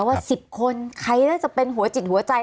ว่า๑๐คนใครน่าจะเป็นหัวจิตหัวใจ